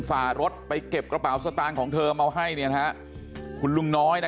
ฝ่ารถไปเก็บกระเป๋าสตางค์ของเธอมาให้คุณลุงน้อย